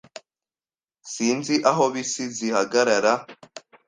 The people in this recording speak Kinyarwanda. Sinzi aho bisi zihagarara.